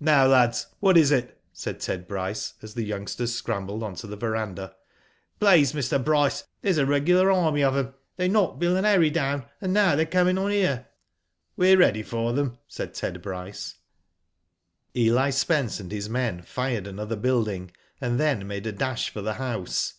Now, lads, what is it?" said Ted Bryce, as the youngsters scrambled on to the verandah. " Please, Mr. Bryce, there's a regular army of Digitized byGoogk l68 WHO DID ITf 'em. They knocked Bill and Harry down, and now they're coming on here." "We're ready for them/' said Ted Bryce. "Eli Spence and his men fired another building, and then made a dash for the house.